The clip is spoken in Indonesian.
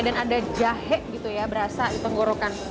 dan ada jahe gitu ya berasa di penggorokan